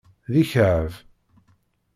D ikɛeb.